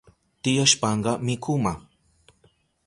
Tiyashpanka mikuma